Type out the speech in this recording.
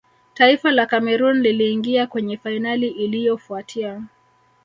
taifa la cameroon liliingia kwenye fainali iliyofuatia